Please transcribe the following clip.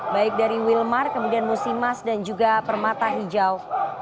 baik dari wilmar kemudian musimas dan juga permata hijau